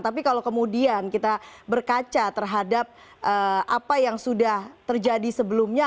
tapi kalau kemudian kita berkaca terhadap apa yang sudah terjadi sebelumnya